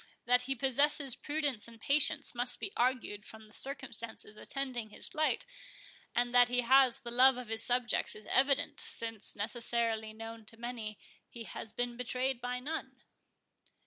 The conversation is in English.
That he possesses prudence and patience, must be argued from the circumstances attending his flight; and that he has the love of his subjects is evident, since, necessarily known to many, he has been betrayed by none."